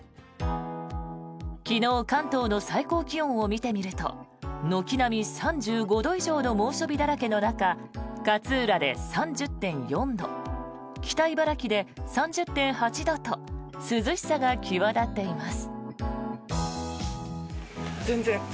昨日関東の最高気温を見てみると軒並み３５度以上の猛暑日だらけの中勝浦で３０．４度北茨城市で３０．８度と涼しさが際立っています。